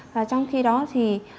và trong khi đó thì